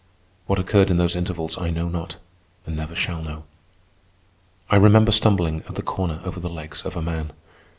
What occurred in those intervals I know not, and never shall know. I remember stumbling at the corner over the legs of a man.